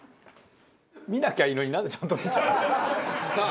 見なきゃいいのになんでちゃんと見ちゃう？